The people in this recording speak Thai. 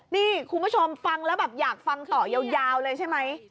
นี่คุณผู้ชมฟังแล้วแบบอยากฟังต่อยาวเลยใช่ไหม